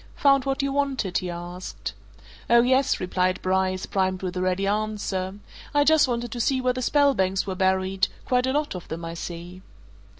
"Found what you wanted?" he asked. "Oh, yes!" replied Bryce, primed with a ready answer. "I just wanted to see where the Spelbanks were buried quite a lot of them, I see."